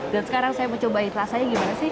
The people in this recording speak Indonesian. dan sekarang saya mau coba rasanya gimana sih